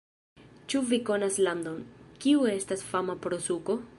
Ĉu vi konas landon, kiu estas fama pro suko?